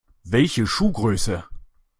Welche Schuhgröße?